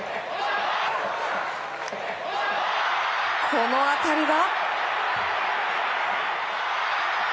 この当たりが。